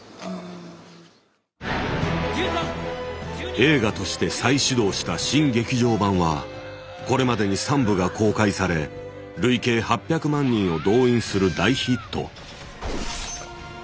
映画として再始動した新劇場版はこれまでに３部が公開され累計８００万人を動員する大ヒット。